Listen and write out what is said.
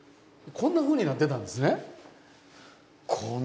こんなふうになってたんですよ。